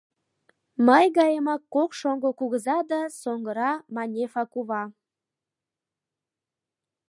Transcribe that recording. Мый гаемак кок шоҥго кугыза да соҥгыра Манефа кува.